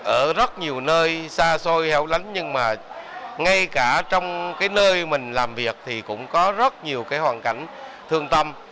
ở rất nhiều nơi xa xôi helo lắng nhưng mà ngay cả trong cái nơi mình làm việc thì cũng có rất nhiều cái hoàn cảnh thương tâm